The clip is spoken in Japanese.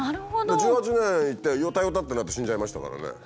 １８年いてよたよたってなって死んじゃいましたからね。